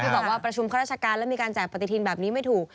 บอกว่าประชุมข้าราชการแล้วมีการแจกปฏิทินแบบนี้ไม่ถูก